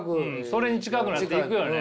それに近くなっていくよね。